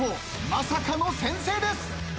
まさかの先制です。